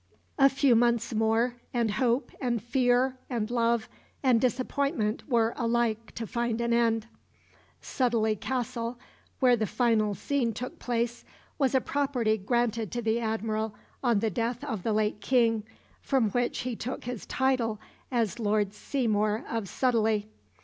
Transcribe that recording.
A few months more, and hope and fear and love and disappointment were alike to find an end. Sudeley Castle, where the final scene took place, was a property granted to the Admiral on the death of the late King, from which he took his title as Lord Seymour of Sudeley.